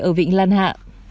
ở vịnh lan hạ